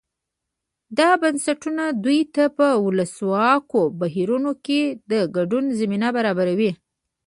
دا بنسټونه دوی ته په ولسواکو بهیرونو کې د ګډون زمینه برابروي.